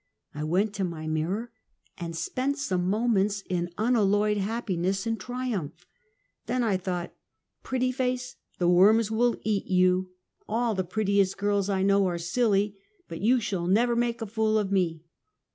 I went to my mirror and spent some moments in nnalloyed happiness and triumph. Then I thought, " Pretty face, the worms will eat you. All the prettiest girls I know are silly, but you shall never make a fool of me.